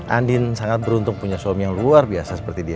andin sangat beruntung punya suami yang luar biasa seperti dia